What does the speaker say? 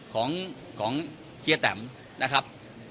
ของเฮียแตมนะครับ